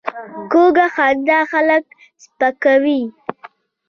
کوږه خندا خلک سپکوي